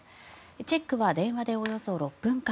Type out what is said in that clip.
チェックは電話でおよそ６分間。